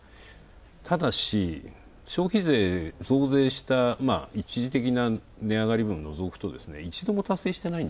ただし消費税、増税した一時的な値上がり分を除くと一度も達成していない。